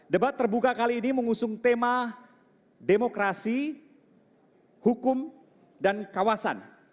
debat terbuka kali ini mengusung tema demokrasi hukum dan kawasan